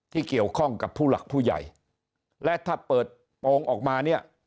ที่เกี่ยวข้องกับผู้หลักผู้ใหญ่และถ้าเปิดโปรงออกมาเนี่ย